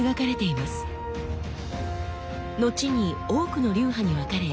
のちに多くの流派に分かれ